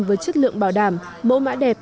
với chất lượng bảo đảm mẫu mã đẹp